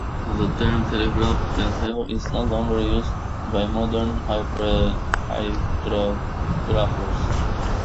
The term "Telegraph Plateau" is no longer used by modern hydrographers.